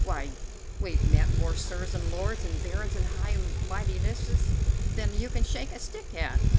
Why, we've met more Sirs and Lords and Barons and High Mightinesses than you can shake a stick at.